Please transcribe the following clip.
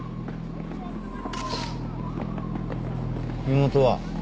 身元は？